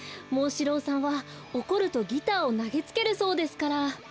モンシローさんはおこるとギターをなげつけるそうですから。